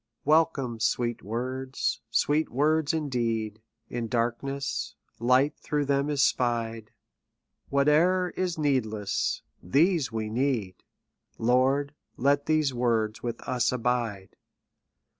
Welcome, sweet words ! sweet words, indeed ! In darkness, light through them is spied; Whate'er is needless, these we need : Lord, let these words with us abide.